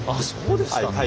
そうですか。